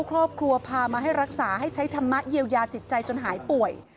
ครอบครัวพามาให้รักษาให้ใช้ธรรมะเยียวยาจิตใจจนหายป่วย